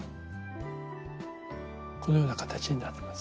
このような形になってます。